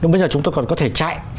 nhưng bây giờ chúng tôi còn có thể chạy